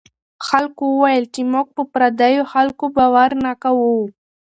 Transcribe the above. خلکو وویل چې موږ په پردیو خلکو باور نه کوو.